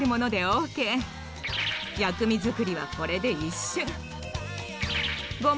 薬味作りはこれで一瞬。